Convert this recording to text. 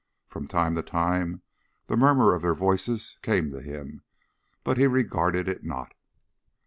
From time to time the murmur of their voices came to him, but he regarded it not.